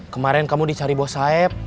kemarin kamu dicari bos sab